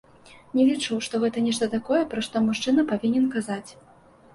Не лічу, што гэта нешта такое, пра што мужчына павінен казаць.